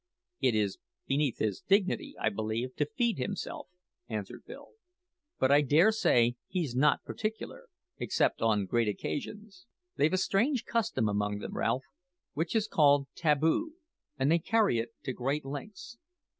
"It is beneath his dignity, I believe, to feed himself," answered Bill; "but I dare say he's not particular, except on great occasions. They've a strange custom among them, Ralph, which is called tabu, and they carry it to great lengths.